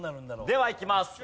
ではいきます。